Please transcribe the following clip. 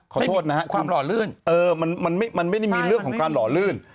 ขอโทษนะฮะความหล่อลื่นเออมันไม่ได้มีเรื่องของการหล่อลื่น